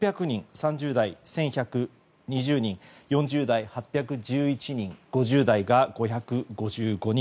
３０代、１１２０人４０代、８１１人５０代が５５２人。